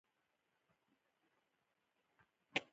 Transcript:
د پاچا له شانه سره تحفې نه وي.